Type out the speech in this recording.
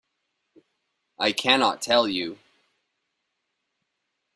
I cannot tell you.